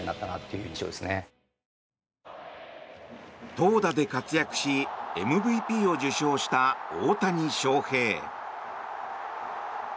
投打で活躍しＭＶＰを受賞した大谷翔平。